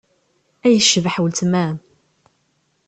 Ay tecbeḥ weltma-m!